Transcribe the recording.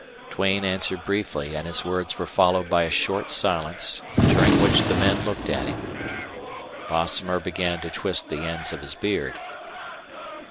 Duane answered briefly, and his words were followed by a short silence, during which the men looked at him. Bosomer began to twist the ends of his beard.